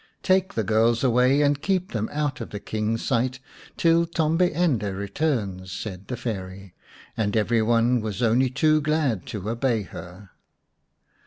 " Take the girls away and keep them out of the King's sight till Tombi ende returns," said the Fairy, and every one was only too glad to obey her.